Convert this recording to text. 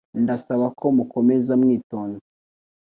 Ndasaba ko mukomeza mwitonze.